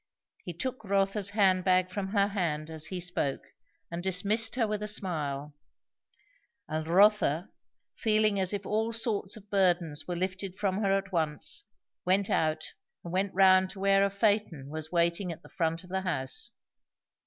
He took Rotha's handbag from her hand as he spoke and dismissed her with a smile; and Rotha, feeling as if all sorts of burdens were lifted from her at once, went out and went round to where a phaeton was waiting at the front of the house.